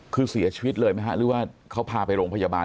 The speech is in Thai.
คือเสียชีวิตเลยไหมฮะหรือว่าเขาพาไปโรงพยาบาล